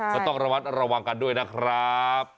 ก็ต้องระวังกันด้วยนะครับ